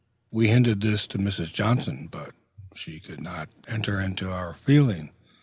We hinted this to Mrs. Johnson, but she could not enter into our feeling.